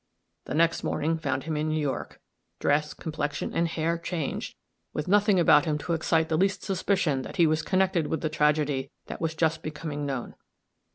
The next morning found him in New York, dress, complexion and hair changed, with nothing about him to excite the least suspicion that he was connected with the tragedy that was just becoming known.